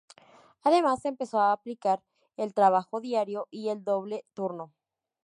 Además empezó a aplicar el trabajo diario y el doble turno.